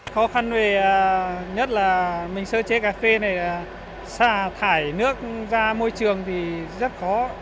khó khăn nhất là mình sơ chế cà phê này là xả thải nước ra môi trường thì rất khó